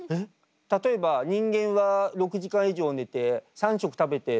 例えば人間は６時間以上寝て３食食べてって。